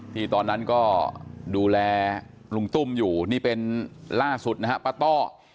ที่ตอนนั้นก็ดูแลลุงตุ้มอยู่นี่เป็นล่าสุดนะฮะป้าต้อ